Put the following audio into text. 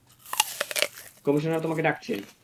Commissioner তোমাকে ডাকছে।